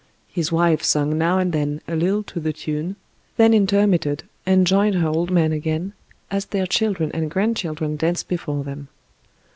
His wife sung now and then a little to the tune, then intermitted, and joined her old man again, as their children and grandchildren danced before them.